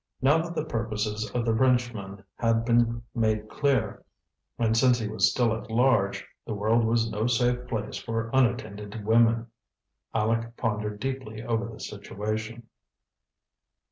Now that the purposes of the Frenchman had been made clear, and since he was still at large, the world was no safe place for unattended women. Aleck pondered deeply over the situation.